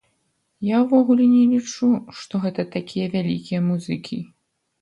Я ўвогуле не лічу, што гэта такія вялікія музыкі.